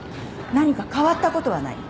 何か変わったことはない？